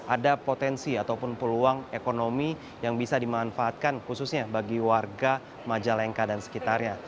ada potensi ataupun peluang ekonomi yang bisa dimanfaatkan khususnya bagi warga majalengka dan sekitarnya